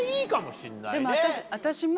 でも私も。